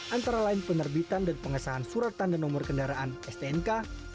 antara lain penerbitan dan pengesahan surat tanda nomor kendaraan stnk